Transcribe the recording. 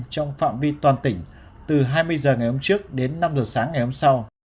trong phạm vi toàn tỉnh từ hai mươi h ngày hôm trước đến năm h sáng ngày hôm sau